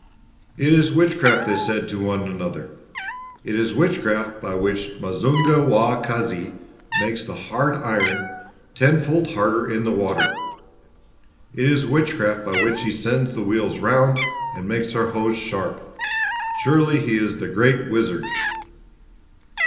"It is witchcraft," they said to one another. "It is witchcraft by which Mazunga wa Kazi makes the hard iron tenfold harder in the water. It is witchcraft by which he sends the wheels round and makes our hoes sharp. Surely he is the great wizard."